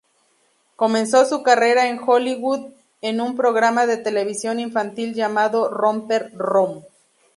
Comenzó su carrera en Hollywood en un programa de televisión infantil llamado "Romper Room".